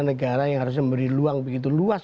negara yang harusnya memberi luang begitu luas